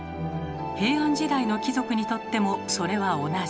平安時代の貴族にとってもそれは同じ。